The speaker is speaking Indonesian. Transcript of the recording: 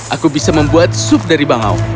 aku bisa membuat sup dari bangau